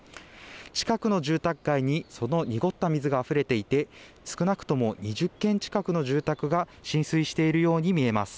近くの住宅街にその濁った水があふれていて少なくとも２０軒近くの住宅が浸水しているように見えます。